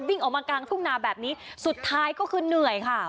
วิ่งออกมากลางทุ่งนาแบบนี้สุดท้ายก็คือเหนื่อยค่ะ